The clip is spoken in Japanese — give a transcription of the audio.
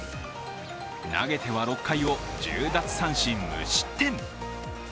投げては６回を１０奪三振無失点。